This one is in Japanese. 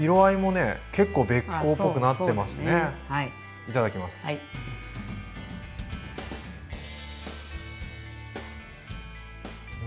いただきます。